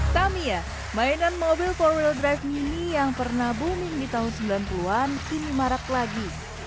tamia mainan mobil for wrive mini yang pernah booming di tahun sembilan puluh an kini marak lagi